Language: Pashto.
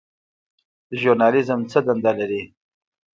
ژورنالیزم څه دنده لري؟